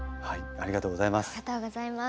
ありがとうございます。